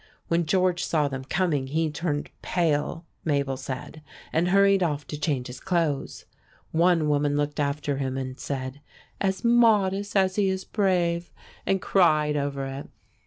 When George saw them coming he turned pale, Mabel said, and hurried off to change his clothes. One woman looked after him and said, "As modest as he is brave," and cried over it.